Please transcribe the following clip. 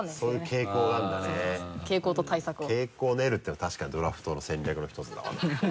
傾向を練るっていうのは確かにドラフトの戦略の１つだわな。